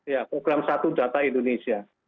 ya program satu data indonesia